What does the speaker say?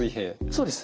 そうです。